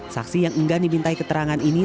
saksi yang enggak dibintai keterangan ini